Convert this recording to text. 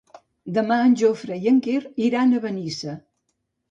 Demà en Jofre i en Quer iran a Benissa.